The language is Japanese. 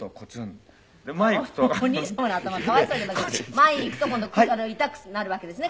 前へ行くと今度痛くなるわけですね